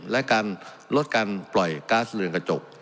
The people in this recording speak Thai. และการลดการปล่อยก๊าซเรือนกระจก